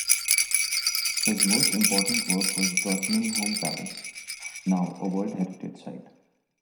His most important work was Drottningholm Palace, now a world heritage site.